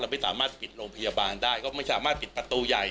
ไม่สามารถปิดโรงพยาบาลได้ก็ไม่สามารถปิดประตูใหญ่